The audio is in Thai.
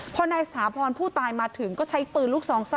พอนายสถาพรผู้ตายมาถึงก็ใช้ปืนลูกซองสั้น